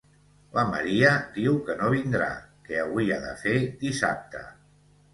La Maria diu que no vindrà, que avui ha de fer dissabte.